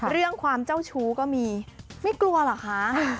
เรื่องความเจ้าชู้ก็มีไม่กลัวเหรอคะ